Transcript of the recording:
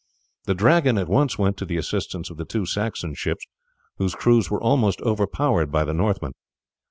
The Dragon at once went to the assistance of the two Saxon ships, whose crews were almost overpowered by the Northmen.